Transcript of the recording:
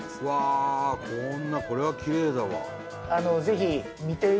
うわこんなこれはきれいだわ。